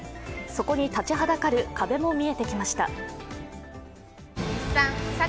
そこに立ちはだかる壁も見えてきました。